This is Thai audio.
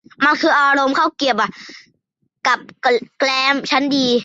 มันคืออารมณ์ข้าวเกรียบอะ กับแกล้มชั้นดี